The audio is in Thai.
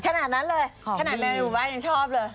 ขนาดนั้นเลยขนาดแบบนี้หมู่บ้านจะชอบเลย